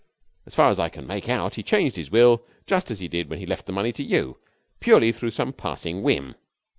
As far as I can make out he changed his will just as he did when he left the money to you, purely through some passing whim.